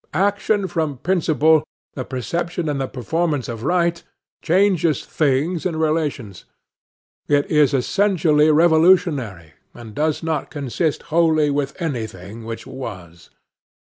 Action from principle,—the perception and the performance of right,—changes things and relations; it is essentially revolutionary, and does not consist wholly with anything which was.